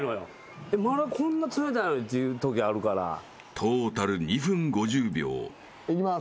［トータル２分５０秒］いきます。